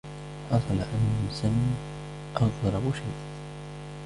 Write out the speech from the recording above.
حصل أمْساً أغرب شيء.